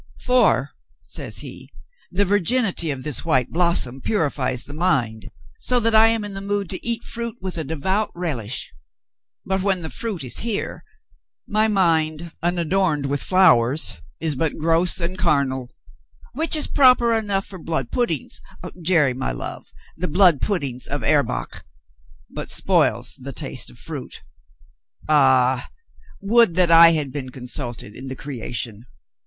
"For," says he, "the virginity of this white blossom purifies the mind so that I am in the mood to eat fruit with a devout relish. But when the fruit is here, my mind, unadorned with flowers, is but gross and carnal, which is proper enough for blood pud dings (Jerry, my love, the black puddings of Er bach !), but spoils the taste of fruit. Ah, would that I had been consulted in the creation